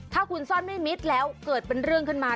ถ้าคุณซ่อนไม่มิดแล้วเกิดเป็นเรื่องขึ้นมา